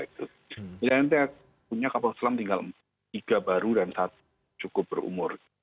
jadi nanti punya kapal selam tinggal tiga baru dan satu cukup berumur